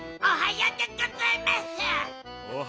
おはよう！